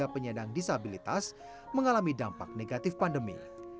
penyandang disabilitas mengalami dampak negatif pandemi